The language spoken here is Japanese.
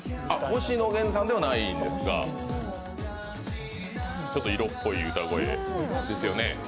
星野源さんではないんですが、ちょっと色っぽい歌声ですよね。